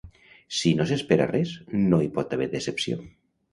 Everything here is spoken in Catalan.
Si no s'espera res, no hi pot haver decepció.